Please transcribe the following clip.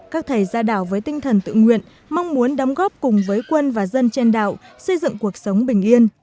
các thầy ra đảo với tinh thần tự nguyện mong muốn đóng góp cùng với quân và dân trên đảo xây dựng cuộc sống bình yên